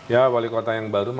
ya wali kota yang baru